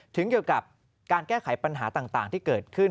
เกี่ยวกับการแก้ไขปัญหาต่างที่เกิดขึ้น